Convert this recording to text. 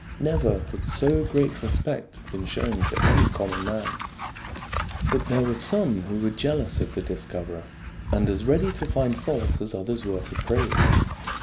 Never had so great respect been shown to any common man. But there were some who were jealous of the dis coverer, and as ready to find fault as others were to praise.